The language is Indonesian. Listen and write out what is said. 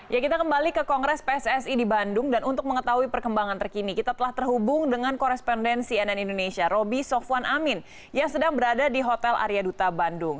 ya kita kembali ke kongres pssi di bandung dan untuk mengetahui perkembangan terkini kita telah terhubung dengan korespondensi nn indonesia roby sofwan amin yang sedang berada di hotel arya duta bandung